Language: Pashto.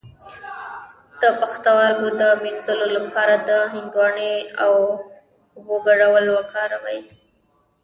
د پښتورګو د مینځلو لپاره د هندواڼې او اوبو ګډول وکاروئ